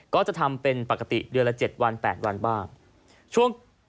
ก็จะทำเป็นปกติเดือนละ๗วัน๘วันบ้างช่วง